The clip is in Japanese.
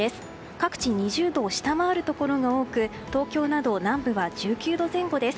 各地２０度を下回るところが多く東京など南部は１９度前後です。